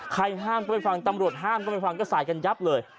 ก็ไปฟังตำรวจห้ามก็ไปฟังก็สายกันยับเลย